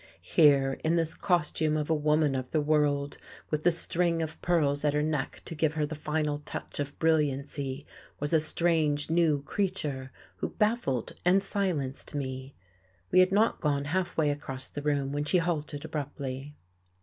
Here, in this costume of a woman of the world, with the string of pearls at her neck to give her the final touch of brilliancy, was a strange, new creature who baffled and silenced me.... We had not gone halfway across the room when she halted abruptly.